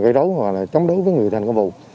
gây rấu hoặc là chống đối với người thi hành công vụ